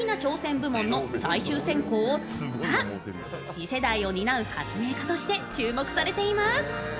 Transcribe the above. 次世代を担う発明家として注目されています。